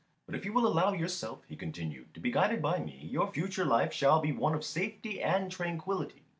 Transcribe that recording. "But if you will allow yourself," he continued, "to be guided by me, your future life shall be one of safety and tranquillity.